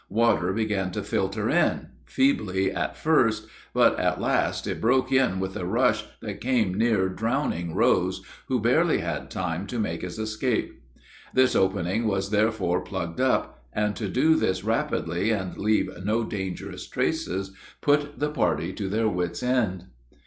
Water began to filter in feebly at first, but at last it broke in with a rush that came near drowning Rose, who barely had time to make his escape. This opening was therefore plugged up; and to do this rapidly and leave no dangerous traces put the party to their wit's end.